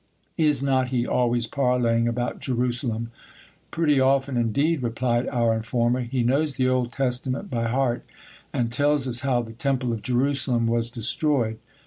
Is not he always parleying about Jerusalem ? Pretty often indeed, replied our informer. He knows the Old Testament by 216 GIL BLAS. heart, and tells us how the temple of Jerusalem was destroyed.